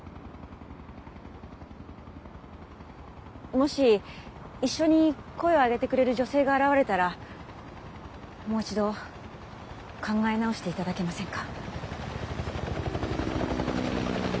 もし一緒に声を上げてくれる女性が現れたらもう一度考え直して頂けませんか？